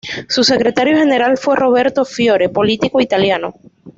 Su secretario general fue Roberto Fiore, político italiano.